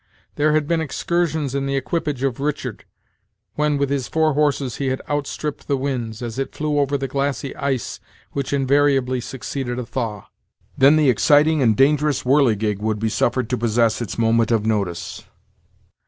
There had been excursions in the equipage of Richard, when with his four horses he had outstripped the winds, as it flew over the glassy ice which invariably succeeded a thaw. Then the exciting and dangerous "whirligig" would be suffered to possess its moment of notice.